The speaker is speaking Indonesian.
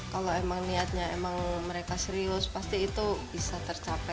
kalau emang niatnya emang mereka serius pasti itu bisa tercapai